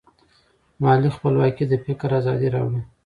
مالي خپلواکي د فکر ازادي راوړي.